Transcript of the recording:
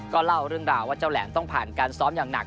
ก็เล่าเรื่องราวว่าเจ้าแหลมต้องผ่านการซ้อมอย่างหนัก